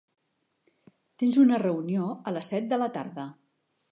Tens una reunió a les set de la tarda.